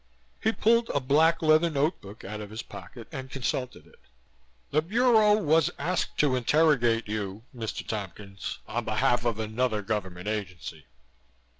He pulled a black leather notebook out of his pocket and consulted it. "The Bureau was asked to interrogate you, Mr. Tompkins, on behalf of another government agency."